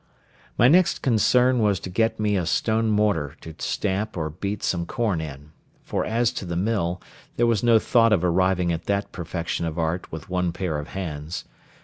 My next concern was to get me a stone mortar to stamp or beat some corn in; for as to the mill, there was no thought of arriving at that perfection of art with one pair of hands.